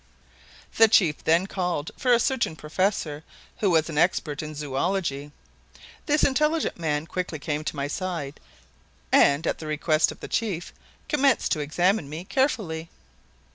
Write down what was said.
The chief then called for a certain professor who was an expert in zoology. This intelligent man quickly came to my side and, at the request of the chief, commenced to examine me carefully.